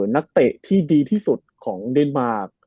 นักเตะที่ดีที่สุดของเดนมาร์